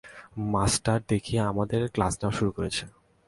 Master দেখি আমাদের class নেওয়া শুরু করেছে।